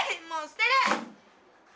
もう捨てる！